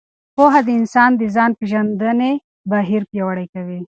پوهه د انسان د ځان پېژندنې بهیر پیاوړی کوي.